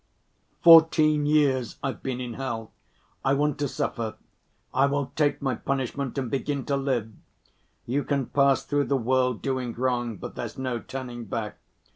Fourteen years I've been in hell. I want to suffer. I will take my punishment and begin to live. You can pass through the world doing wrong, but there's no turning back.